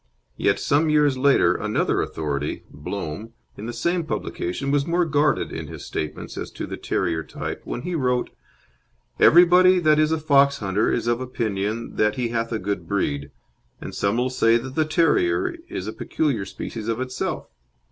Yet some years later another authority Blome in the same publication was more guarded in his statements as to the terrier type when he wrote: "Everybody that is a fox hunter is of opinion that he hath a good breed, and some will say that the terrier is a peculiar species of itself.